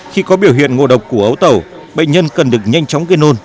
khi có biểu hiện ngộ độc của ấu tổ bệnh nhân cần được nhanh chóng ghi nôn